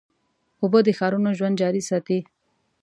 اوبه د ښارونو ژوند جاري ساتي.